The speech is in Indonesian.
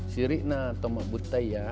syirik na tomah butai ya